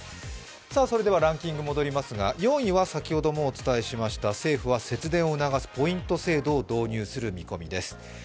それはランキング戻りますが、４位は先ほどもお伝えしました政府は節電を促すポイント制度を導入する見込みです。